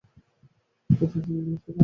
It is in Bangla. কিন্তু লীনা ফিরে আসে না।